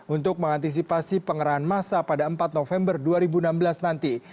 untuk mengantisipasi pengerahan masa pada empat november dua ribu enam belas nanti